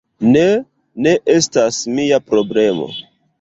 Ne, ne estas mia problemo